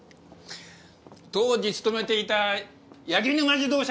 当時勤めていた八木沼自動車か？